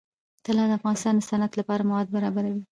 طلا د افغانستان د صنعت لپاره مواد برابروي.